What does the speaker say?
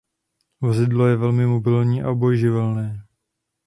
Vozidlo je velmi mobilní a obojživelné.